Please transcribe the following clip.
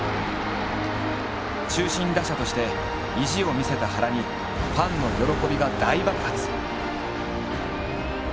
中心打者として意地を見せた原にファンの喜びが大爆発。